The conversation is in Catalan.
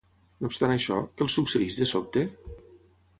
No obstant això, què els succeeix de sobte?